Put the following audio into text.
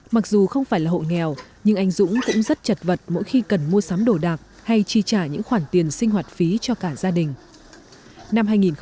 mặc dù không phải là hộ nghèo nhưng anh dũng cũng rất chật vật mỗi khi cần mua sắm đồ đạc hay chi trả những khoản tiền sinh hoạt phí cho cả gia đình